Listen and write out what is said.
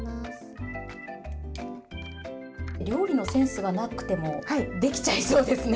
料理のセンスがなくてもできちゃいそうですね。